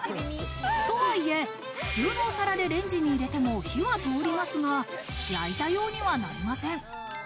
とはいえ、普通のお皿でレンジに入れても、火は通りますが、焼いたようにはなりません。